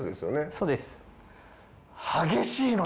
そうです。